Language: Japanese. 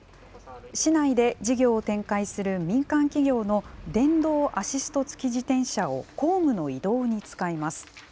市内で事業を展開する民間企業の電動アシスト付き自転車を公務の移動に使います。